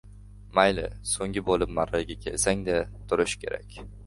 Mayli soʻnggi boʻlib marraga kelsangda turish kerak.